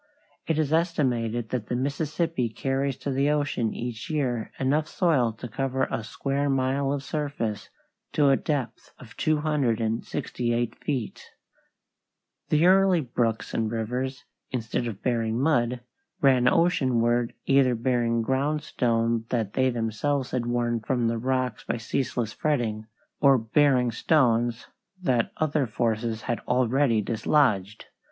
It is estimated that the Mississippi carries to the ocean each year enough soil to cover a square mile of surface to a depth of two hundred and sixty eight feet. [Illustration: FIG. 1. ROCK MARKED BY THE SCRAPING OF A GLACIER OVER IT] The early brooks and rivers, instead of bearing mud, ran oceanward either bearing ground stone that they themselves had worn from the rocks by ceaseless fretting, or bearing stones that other forces had already dislodged.